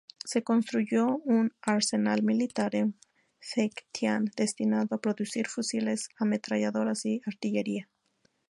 Se construyó un arsenal militar en Fengtian destinado a producir fusiles, ametralladoras y artillería.